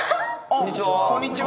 ・こんにちは。